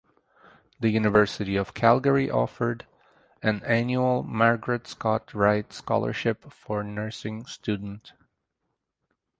The University of Calgary offered an annual Margaret Scott Wright Scholarship for nursing student.